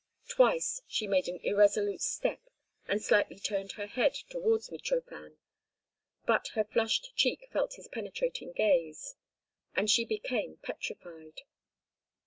Twice she made an irresolute step, and slightly turned her head toward Mitrofan, but her flushed cheek felt his penetrating gaze, and she became as petrified.